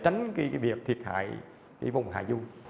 tránh việc thiệt hại vùng hà du